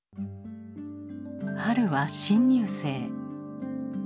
春は新入生。